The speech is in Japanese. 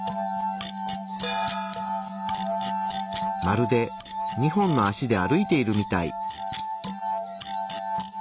まるで２本の足で歩いているみたい。